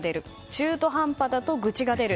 中途半端だと愚痴が出る。